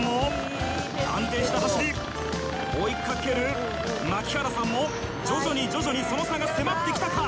追いかける槙原さんも徐々に徐々にその差が迫ってきたか？